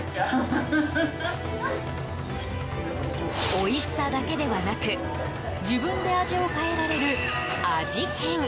おいしさだけではなく自分で味を変えられる味変。